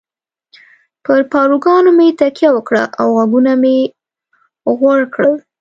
پر پاروګانو مې تکیه وکړه او غوږونه مې غوړ کړل.